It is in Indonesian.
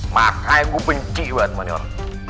maka gue benci banget